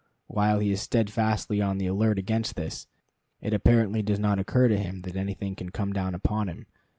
While he is steadfastly on the alert against this, it apparently does not occur to him that anything can come down upon him.